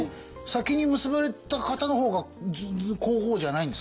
先に結ばれた方の方が皇后じゃないんですか？